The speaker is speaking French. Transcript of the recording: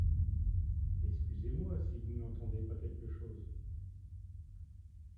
Excusez-moi si vous n’entendez pas quelque chose.